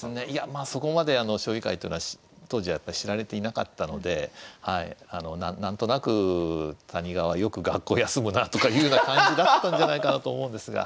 まあそこまで将棋界というのは当時はやっぱ知られていなかったので何となく谷川よく学校休むなとかいうような感じだったんじゃないかなと思うんですが。